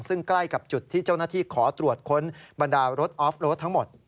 ซึ่งใกล้กับจุดที่เจ้าหน้าที่ขอตรวจค้นบรรดารถออฟโรดทั้งหมด